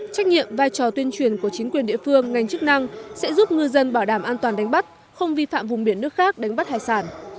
trách nhiệm vai trò tuyên truyền của chính quyền địa phương ngành chức năng sẽ giúp ngư dân bảo đảm an toàn đánh bắt không vi phạm vùng biển nước khác đánh bắt hải sản